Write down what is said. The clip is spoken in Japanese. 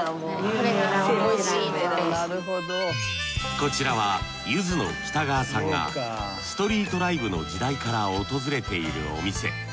こちらはゆずの北川さんがストリートライブの時代から訪れているお店。